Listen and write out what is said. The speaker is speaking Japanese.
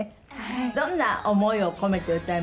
どんな思いを込めて歌いましたか？